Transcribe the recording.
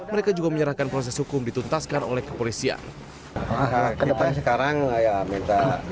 mereka juga menyerahkan proses hukum dituntaskan oleh kepolisian